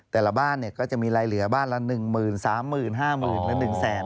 แต่ละบ้านก็จะมีรายเหลือบ้านละ๑หมื่น๓หมื่น๕หมื่นละ๑แสน